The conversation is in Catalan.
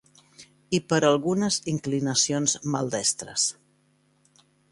I per a algunes inclinacions maldestres.